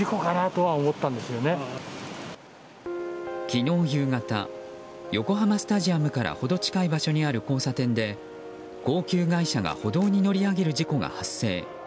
昨日夕方、横浜スタジアムから程近い場所にある交差点で高級外車が歩道に乗り上げる事故が発生。